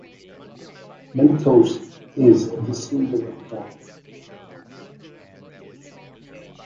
"Mentos" is the singular form.